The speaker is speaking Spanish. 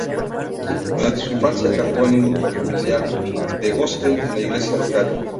Durante su infancia cantó en un grupo familiar de gospel en la iglesia local.